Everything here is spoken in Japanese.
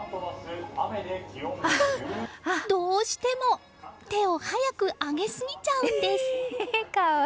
どうしても手を早く上げすぎちゃうんです。